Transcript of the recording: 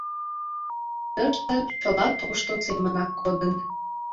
Тыште чыла тошто семынак кодын.